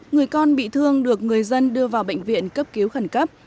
người con bị thương được người dân đưa vào bệnh viện cấp cứu khẩn cấp